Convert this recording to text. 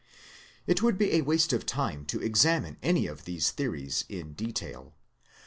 It would be waste of time to ex amine any of these theories in detail.